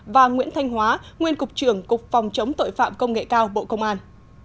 và nguyễn thanh hóa nguyên cục trưởng cục phòng chống tội phạm công nghệ cao bộ công an